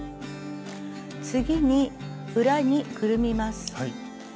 次に裏にくるみます。